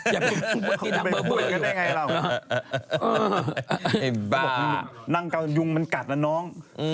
ก็บอกนางเกายุงมันกัดละน้อง